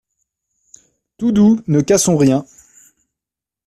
Tout doux ! ne cassons rien…